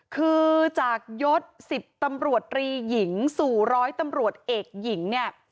คือจากยศ๑๐ตำรวจรีหญิงสู่ร้อยตำรวจเอกหญิงเนี่ย